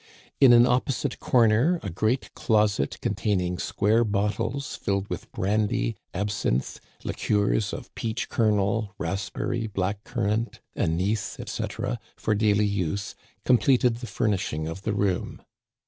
In an opposite comer a great closet, containing square bottles filled with brandy, absinthe, liqueurs of peach kernel, raspberry, black currant, anise, etc., for daily use, completed the fumishing of the room.